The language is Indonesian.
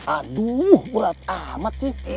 aduh bulat amat sih